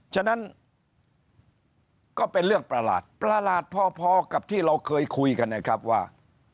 ฉะนั้นก็เป็นเรื่องประหลาดประหลาดพอกับที่เราเคยคุยกันนะครับว่า